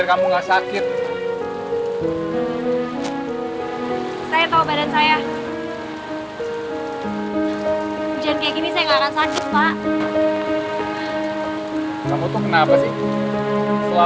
kok jadi pada tegang kek gitu sih